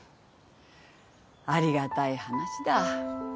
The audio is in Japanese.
ありがたい話だ。